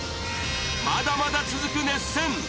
まだまだ続く熱戦。